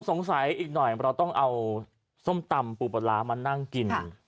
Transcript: สงสัยอีกหน่อยเราต้องเอาส้มตำปูปลาร้ามานั่งกิน